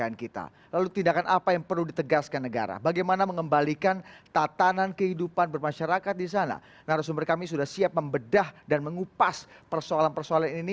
narasumber kami sudah siap membedah dan mengupas persoalan persoalan ini